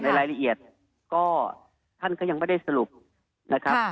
รายละเอียดก็ท่านก็ยังไม่ได้สรุปนะครับ